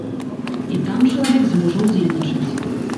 І там чалавек зможа ўдзельнічаць.